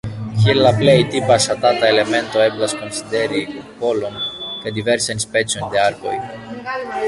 Kiel la plej tipa ŝatata elemento eblas konsideri kupolon kaj diversajn specojn de arkoj.